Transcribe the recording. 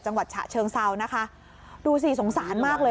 จังหวัดเฉะเชิงเซาดูสิสงสารมากเลย